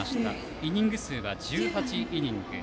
イニング数は１８イニング。